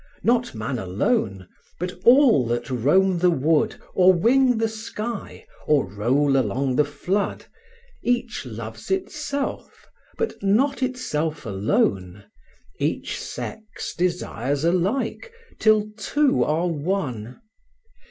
Not man alone, but all that roam the wood, Or wing the sky, or roll along the flood, Each loves itself, but not itself alone, Each sex desires alike, till two are one.